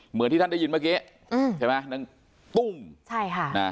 เหมือนที่ท่านได้ยินเมื่อกี้อืมใช่ไหมนางตุ้มใช่ค่ะนะ